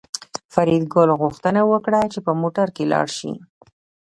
فریدګل غوښتنه وکړه چې په موټر کې لاړ شي